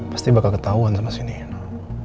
pasti bakal ketauan sama si nino